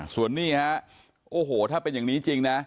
ส่วนนี้ฮะโอ้โหถ้าเป็นอย่างนี้จริงนะ